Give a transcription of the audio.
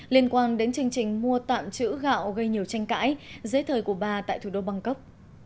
liên quan đến chương trình mua tạm chữ gạo gây nhiều tranh cãi dưới thời của bà tại thủ đô bangkok